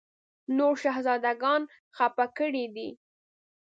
نور شهزاده ګان خپه کړي دي.